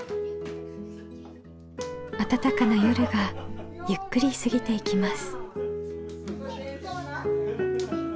あたたかな夜がゆっくり過ぎていきます。